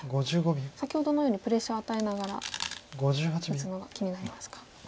先ほどのようにプレッシャー与えながら打つのが気になりますか。